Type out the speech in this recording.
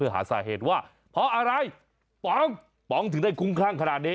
แล้วก็เจ๊เป๊กเขาโดนแทงข้างหลังค่ะ